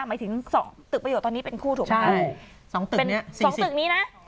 หมายถึงสองตึกบายกตอนนี้เป็นคู่ถูกไหมใช่สองตึกเนี่ยสองตึกนี้นะ